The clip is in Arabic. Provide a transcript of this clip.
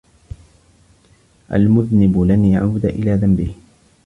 الْمُذْنِبُ لَنْ يَعُودَ إِلَى ذَنْبِهِ.